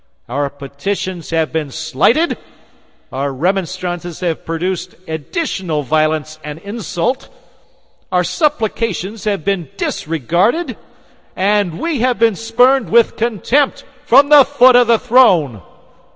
Our petitions have been slighted; our remonstrances have produced additional violence and insult; our supplications have been disregarded; and we have been spurned, with contempt, from the foot of the throne!